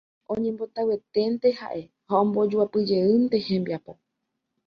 Oñembotavyeténte ha'e ha ombojoapyjeýnte hembiapo.